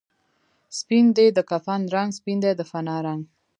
سپین دی د کفن رنګ، سپین دی د فنا رنګ